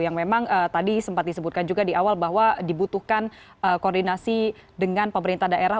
yang memang tadi sempat disebutkan juga di awal bahwa dibutuhkan koordinasi dengan pemerintah daerah